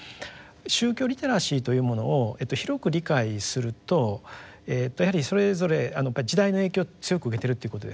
宗教リテラシーというものを広く理解するとやはりそれぞれやっぱり時代の影響を強く受けてるということです。